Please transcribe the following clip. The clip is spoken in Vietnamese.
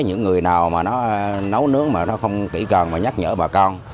những người nào mà nó nấu nước mà nó không kỹ cần mà nhắc nhở bà con